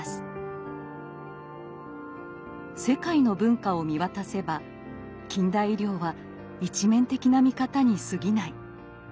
世界の文化を見渡せば近代医療は一面的な見方にすぎない。